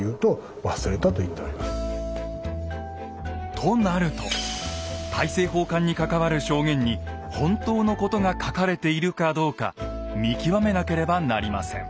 となると大政奉還に関わる証言に本当のことが書かれているかどうか見極めなければなりません。